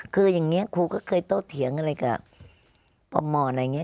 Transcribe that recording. คืออย่างนี้ครูก็เคยโตเถียงอะไรกับพมอะไรอย่างนี้